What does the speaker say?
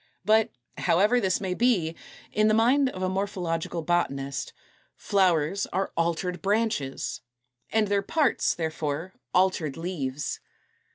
But, however this may be, in the mind of a morphological botanist, 243. =Flowers are altered Branches=, and their parts, therefore, altered leaves.